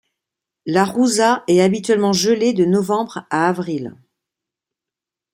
La Rouza est habituellement gelée de novembre à avril.